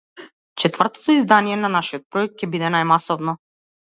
Четвртото издание на нашиот проект ќе биде најмасовно.